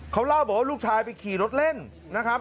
เขาเล่าบอกว่าลูกชายไปขี่รถเล่นนะครับ